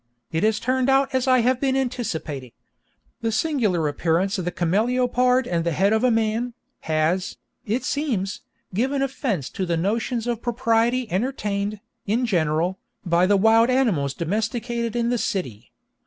It has turned out as I have been anticipating. The singular appearance of the cameleopard and the head of a man, has, it seems, given offence to the notions of propriety entertained, in general, by the wild animals domesticated in the city.